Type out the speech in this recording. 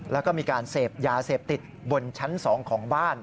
แล้วก็มีการเสพยาเสพติดบนชั้น๒ของบ้าน